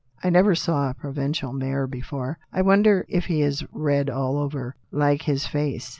I never saw a provincial mayor before. I wonder if he is red all over, like his face